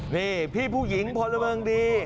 นี่พี่ผู้หญิงพลเมิงดี